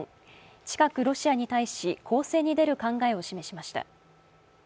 近くロシアに対し攻勢に出る考えを示しました。